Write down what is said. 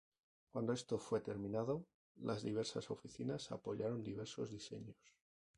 Cuando esto fue terminado, las diversas oficinas apoyaron diversos diseños.